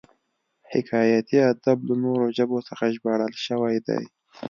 حکایتي ادب له نورو ژبو څخه ژباړل شوی دی